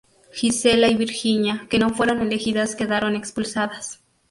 Gisela y Virginia, que no fueron elegidas quedaron expulsadas.